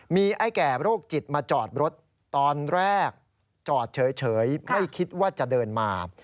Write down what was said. มีไอ้แก่โรคจิตมาจอดรถตอนแรกจอดเฉยไม่คิดว่าจะเดินมา